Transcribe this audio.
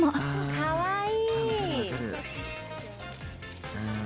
かわいい！